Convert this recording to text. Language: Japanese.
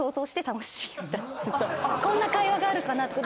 こんな会話があるかなとか。